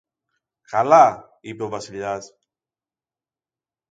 καλά, είπε ο Βασιλιάς.